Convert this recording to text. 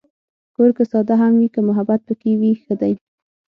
کور که ساده هم وي، که محبت پکې وي، ښه دی.